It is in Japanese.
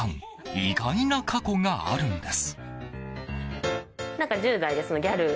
意外な過去があるんです。